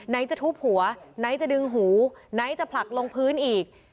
ไหนจะทุบหัวไหนจะดึงหูไหนจะผลักลงพื้นอีก